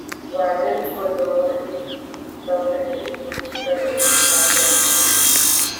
Wagons were lowered down the hill winched by ropes wrapped around trees.